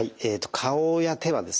顔や手はですね